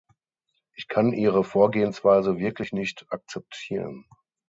Ich kann Ihre Vorgehensweise wirklich nicht akzeptieren.